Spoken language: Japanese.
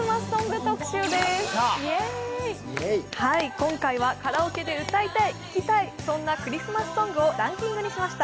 今回はカラオケで歌いたい、聴きたい、そんなクリスマスソングをランキングにしました。